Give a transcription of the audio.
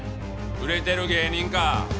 売れてる芸人か。